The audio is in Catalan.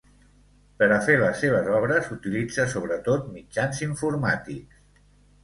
Per a fer les seves obres, utilitza sobretot mitjans informàtics.